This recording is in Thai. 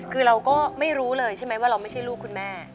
คือเราก็ไม่รู้เลยใช่ไหมว่าเราไม่ใช่ลูกคุณแม่